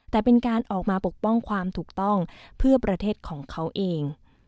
แต่เป็นการออกมาปกป้องความถูกต้องเพื่อประเทศของเขาเอง